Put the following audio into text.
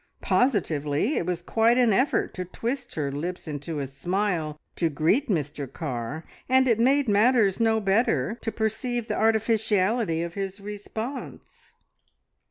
Positively, it was quite an effort to twist her lips into a smile to greet Mr Carr, and it made matters no better to perceive the artificiality of his response.